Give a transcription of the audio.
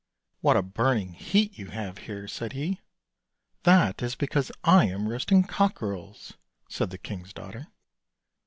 " What a burning heat you have here," said he. " That is because I am roasting cockerels," said the king's daughter.